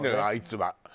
あいつは。